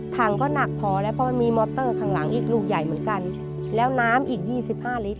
ถังก็หนักพอแล้วเพราะมันมีมอเตอร์ข้างหลังอีกลูกใหญ่เหมือนกันแล้วน้ำอีกยี่สิบห้าลิตร